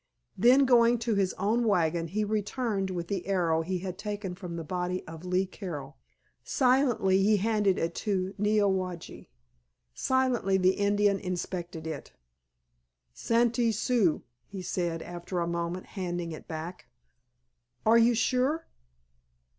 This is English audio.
Then going to his own wagon he returned with the arrow he had taken from the body of Lee Carroll. Silently he handed it to Neowage. Silently the Indian inspected it. "Santee Sioux," he said after a moment, handing it back. "Are you sure?"